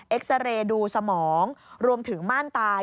ซาเรย์ดูสมองรวมถึงม่านตาย